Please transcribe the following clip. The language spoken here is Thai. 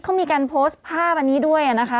เขามีการโพสต์ภาพอันนี้ด้วยนะคะ